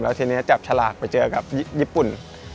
ทีนี้จับฉลากไปเจอกับญี่ปุ่น